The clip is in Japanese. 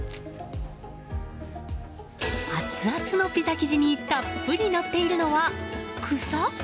アツアツのピザ生地にたっぷりのっているのは草？